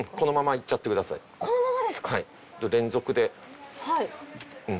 いっちゃってくださいどんどん。